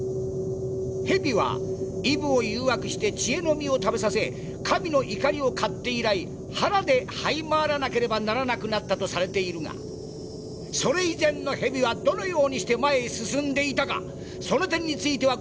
ヘビはイブを誘惑して知恵の実を食べさせ神の怒りを買って以来腹ではい回らなければならなくなったとされているがそれ以前のヘビはどのようにして前へ進んでいたかその点についてはご存じですか？